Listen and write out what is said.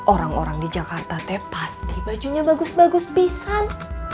orang orang di jakarta teh pasti bajunya bagus bagus pisan